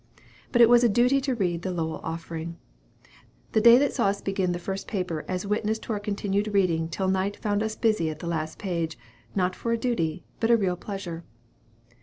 But it was a duty to read the "Lowell Offering." The day that saw us begin the first paper was witness to our continued reading till night found us busy at the last page, not for a duty, but a real pleasure.